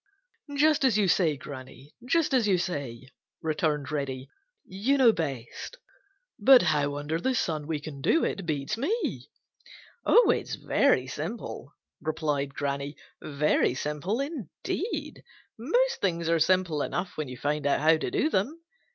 "Just as you say, Granny; just as you say," returned Reddy. "You know best. But how under the sun we can do it beats me." "It is very simple," replied Granny, "very simple indeed. Most things are simple enough when you find out how to do them.